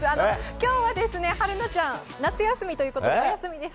今日は春奈ちゃん夏休みということでお休みです。